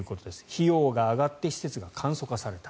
費用が上がって施設が簡素化された。